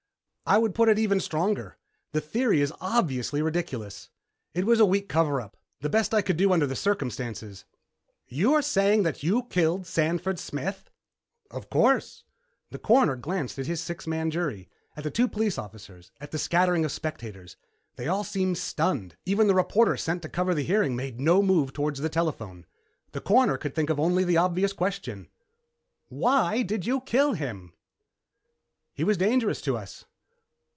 "I would put it even stronger. The theory is obviously ridiculous. It was a weak cover up. The best I could do under the circumstances." "You are saying that you killed Sanford Smith?" "Of course." The Coroner glanced at his six man jury, at the two police officers, at the scattering of spectators. They all seemed stunned. Even the reporter sent to cover the hearing made no move toward the telephone. The Coroner could think of only the obvious question: "Why did you kill him?" "He was dangerous to us."